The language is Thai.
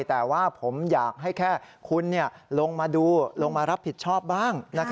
แต่ว่าผมอยากให้แค่คุณลงมาดูลงมารับผิดชอบบ้าง